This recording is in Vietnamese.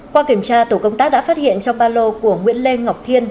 qua kiểm tra tổ công tác đã phát hiện trong ba lô của nguyễn lê ngọc thiên